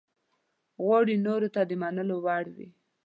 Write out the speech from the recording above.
غواړي نورو ته د منلو وړ وي.